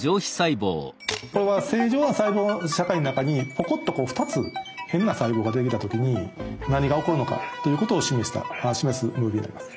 これは正常な細胞社会の中にポコッと２つ変な細胞が出てきた時に何が起こるのかということを示すムービーになります。